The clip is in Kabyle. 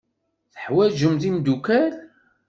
Teḥwajemt imeddukal.